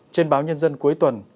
trên báo nhân dân cuối tuần